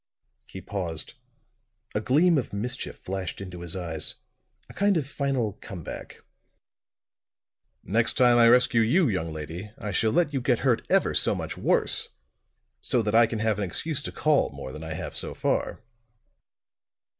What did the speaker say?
He paused; a gleam of mischief flashed into his eyes a kind of final come back. "Next time I rescue you, young lady, I shall let you get hurt ever so much worse, so that I can have an excuse to call more than I have so far!"